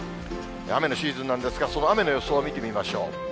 雨のシーズンなんですが、その雨の予想を見てみましょう。